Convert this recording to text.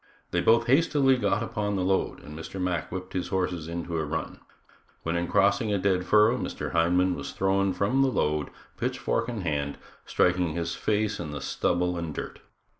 They both hastily got upon the load and Mr. Mack whipped his horses into a run, when in crossing a dead furrow Mr. Hindman was thrown from the load, pitchfork in hand, striking upon his face in the stubble and dirt.